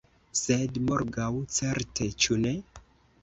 Sed morgaŭ certe, ĉu ne?